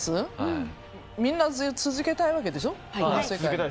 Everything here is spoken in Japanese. みんな続けたいわけでしょこの世界。